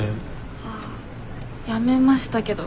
あ辞めましたけど。